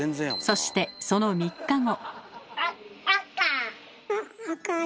そしてその３日後。